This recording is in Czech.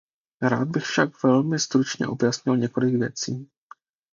Rád bych však velmi stručně objasnil několik věcí.